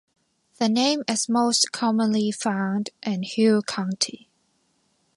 The name is most commonly found in Hiiu County.